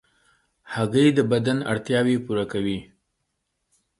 هګۍ د بدن اړتیاوې پوره کوي.